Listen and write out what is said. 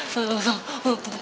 tunggu tunggu tunggu